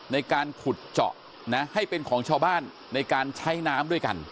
ในการขุดเจาะนะให้เป็นของชาวบ้านในการใช้น้ำด้วยกัน